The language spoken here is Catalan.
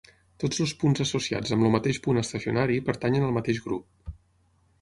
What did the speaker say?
Tots els punts associats amb el mateix punt estacionari pertanyen al mateix grup.